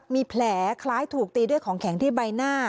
มีแผลคล้ายถูกตีด้วยของแข็งที่ใบหน้า